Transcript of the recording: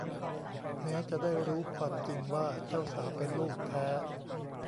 แม้จะได้รู้ความจริงว่าเจ้าสาวเป็นลูกแท้